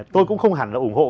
tôi cũng không hẳn là ủng hộ